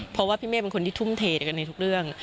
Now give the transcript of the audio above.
เพราะว่าพี่เมฆเป็นคนที่ทุ่มเทกันในทุกเรื่อง